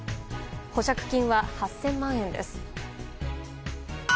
保釈金は８０００万円です。